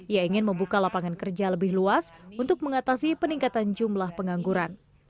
ia ingin membuka lapangan kerja lebih luas untuk mengatasi peningkatan jumlah pengangguran